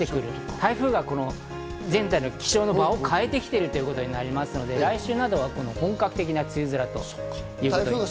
台風が現在の気象の場を変えているということになるので来週は本格的な梅雨空になりそうです。